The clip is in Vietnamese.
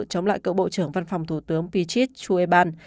chống lại cựu bộ trưởng văn phòng thủ tướng pichit chueban